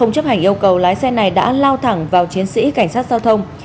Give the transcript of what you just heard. đầu lái xe này đã lao thẳng vào chiến sĩ cảnh sát giao thông